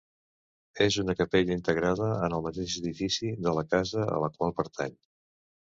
És una capella integrada en el mateix edifici de la casa a la qual pertany.